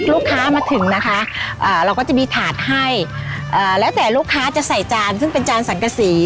ลูกค้ามาถึงนะคะเราก็จะมีถาดให้แล้วแต่ลูกค้าจะใส่จานซึ่งเป็นจานสังกษี